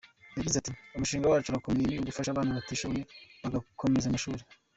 Yagize ati “Umushinga wacu ukomeye ni ugufasha abana batishoboye bagakomeza amashuri.